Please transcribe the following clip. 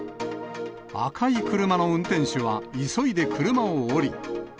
赤い車の運転手は急いで車を降り。